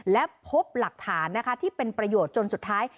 และพบหลักฐานนะคะที่เป็นประโยชน์จนสุดท้าย